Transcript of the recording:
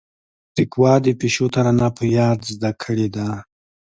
تقوا د پيشو ترانه په ياد زده کړيده.